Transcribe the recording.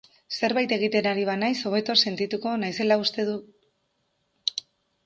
Zerbait egiten ari banaiz hobeto sentituko naizela uste dut.